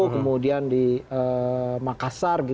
kemudian di makassar